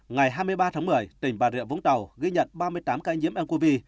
ngày hai mươi ba tháng một mươi tỉnh bà rịa vũng tàu ghi nhận ba mươi tám ca nhiễm ncov